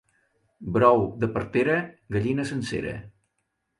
Brou de partera, gallina sencera.